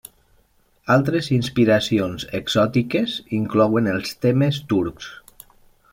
Altres inspiracions exòtiques inclouen els temes turcs.